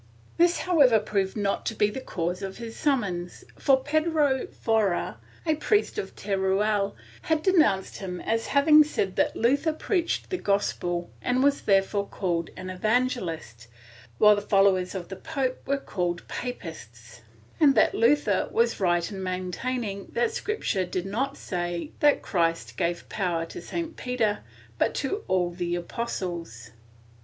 This however proved not to be the cause of his summons, for Pedro Forrer, a priest of Teruel, had denounced him as having said that Luther preached the gospel and was therefore called an evangelist, while the followers of the pope were called papists, and that Luther was right in maintaining that Scripture did not say that Christ gave power to St. Peter, but to all the apostles.